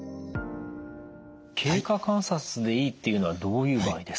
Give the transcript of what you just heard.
経過観察でいいっていうのはどういう場合ですか？